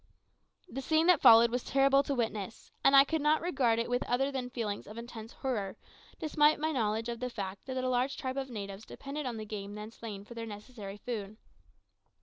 The scene that followed was terrible to witness; and I could not regard it with other than feelings of intense horror, despite my knowledge of the fact that a large tribe of natives depended on the game then slain for their necessary food.